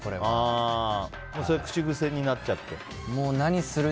それは口癖になっちゃってる？